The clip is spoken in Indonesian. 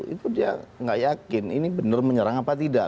itu dia nggak yakin ini benar menyerang apa tidak